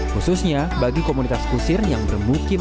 khususnya bagi komunitas kusir yang bermukim